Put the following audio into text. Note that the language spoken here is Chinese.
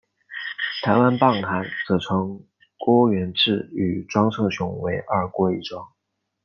台湾棒坛则合称郭源治与庄胜雄为二郭一庄。